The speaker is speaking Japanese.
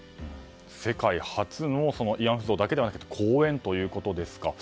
世界初の慰安婦像だけでなくて公園ということですか。